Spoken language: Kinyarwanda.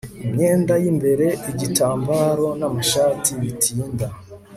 imyenda yimbere igitambaro namashati bitinda